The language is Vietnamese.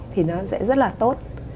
thì nó sẽ rất là tốt